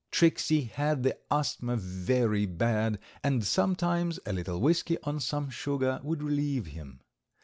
Tricksey had the asthma very bad, and sometimes a little whisky on some sugar would relieve him.